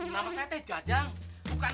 nama saya teh jajang bukan